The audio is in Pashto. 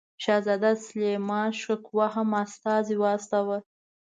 شهزاده سلیمان شکوه هم استازی واستاوه.